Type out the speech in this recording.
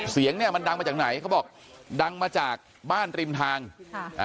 เสียงเนี้ยมันดังมาจากไหนเขาบอกดังมาจากบ้านริมทางค่ะอ่า